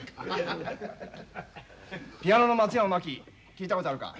ピアノの松山真紀聞いたことあるか？